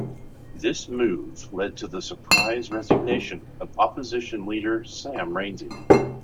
This move led to the surprise resignation of opposition leader Sam Rainsy.